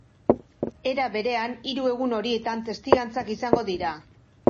Era berean, hiru egun horietan testigantzak izango dira.